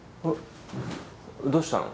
どうしたの？